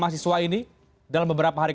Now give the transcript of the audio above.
mahasiswa ini dalam beberapa hari